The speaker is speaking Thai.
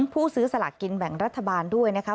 ผู้ซื้อสลากกินแบ่งรัฐบาลด้วยนะคะ